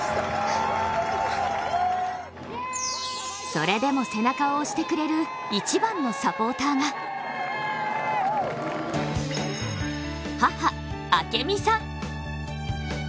それでも背中を押してくれる一番のサポーターが母・明美さん。